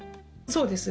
そうです。